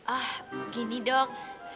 ah gini dok